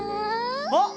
あっ！